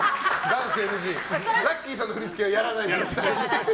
ラッキィさんの振り付けはやらないんだ。